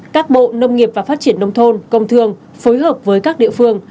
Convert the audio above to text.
các bộ nông nghiệp và phát triển nông thôn công thương phối hợp với các địa phương